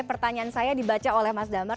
pertanyaan saya dibaca oleh mas damar